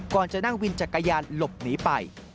ก่อนจะนั่งวินจักรยานหลบหนีไป